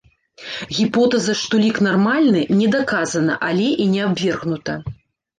Гіпотэза, што лік нармальны, не даказана, але і не абвергнута.